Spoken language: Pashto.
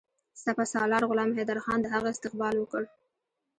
سپه سالار غلام حیدرخان د هغه استقبال وکړ.